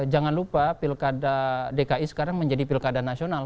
jangan lupa pilkada dki sekarang menjadi pilkada nasional